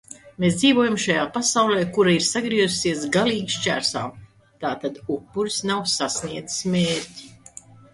Mēs dzīvojam šajā pasaulē, kura ir sagriezusies galīgi šķērsām. Tātad upuris nav sasniedzis mērķi...